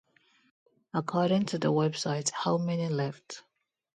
According to the website How Many Left?